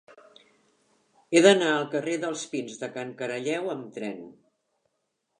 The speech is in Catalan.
He d'anar al carrer dels Pins de Can Caralleu amb tren.